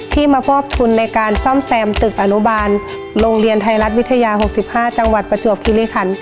ที่มามอบทุนในการซ่อมแซมตึกอนุบาลโรงเรียนไทยรัฐวิทยา๖๕จังหวัดประจวบคิริคัน